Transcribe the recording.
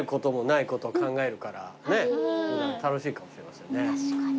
楽しいかもしれませんね。